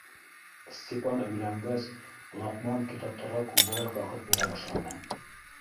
Степан өйләнгәс, Лоҡман китаптарға күберәк ваҡыт бирә башланы.